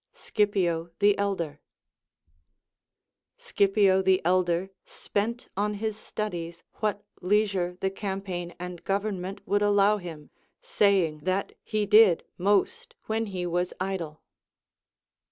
SciPio THE Elder. Scipio the Elder spent on his studies what leisure the campaign and government Avould allow him, saying, that he did most when he was idle.